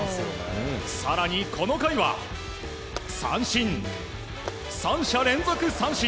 更にこの回は３者連続三振。